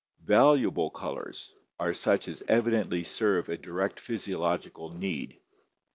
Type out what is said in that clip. Valuable colors are such as evidently serve a direct physiological need.